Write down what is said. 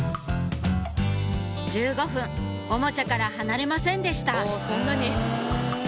１５分オモチャから離れませんでした